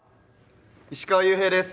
石川裕平です。